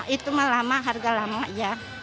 itu mah lama harga lama ya